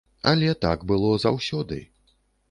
Але так было заўсёды.